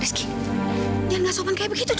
rizky jangan ngasopan kayak begitu dong